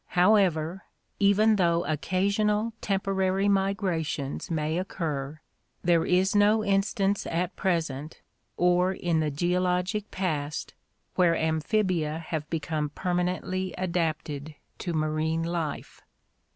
However, even though occasional temporary migrations may occur, there is no instance at present or in the geologic past where amphibia have be come permanently adapted to marine life.